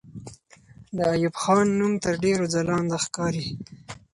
د ایوب خان نوم تر ډېرو ځلانده ښکاري.